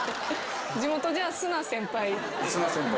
地元じゃすな先輩？